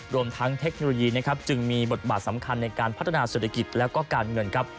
รวมทั้งเทคโนโลยีนะครับจึงมีบทบาทสำคัญในการพัฒนาเศรษฐกิจแล้วก็การเงินครับ